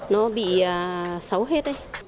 nó bị xấu hết